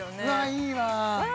いいわわ